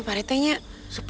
warung itu apa